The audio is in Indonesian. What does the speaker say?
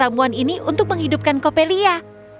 ramuan ini untuk menghidupkan coppelia